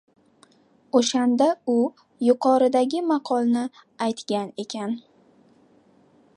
O‘shanda u yuqoridagi maqolni aytgan ekan.